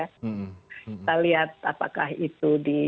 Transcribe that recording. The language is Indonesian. kita lihat apakah itu di